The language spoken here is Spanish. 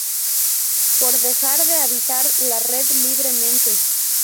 por dejar de habitar la red libremente